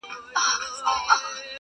ستا تر ناز دي صدقه بلا گردان سم؛